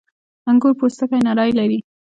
• انګور پوستکی نری لري.